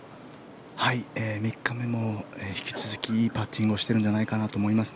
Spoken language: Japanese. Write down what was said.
３日目も引き続きいいパッティングをしてるんじゃないかと思います。